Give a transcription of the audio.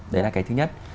đấy là cái thứ nhất